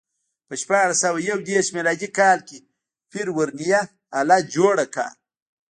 په شپاړس سوه یو دېرش میلادي کال کې پير ورنیه آله جوړه کړه.